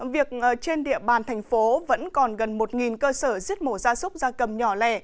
việc trên địa bàn thành phố vẫn còn gần một cơ sở giết mổ gia súc gia cầm nhỏ lẻ